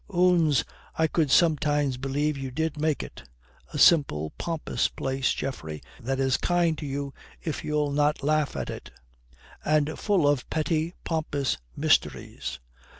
"Oons, I could sometimes believe you did make it. A simple, pompous place, Geoffrey, that is kind to you if you'll not laugh at it. And full of petty, pompous mysteries.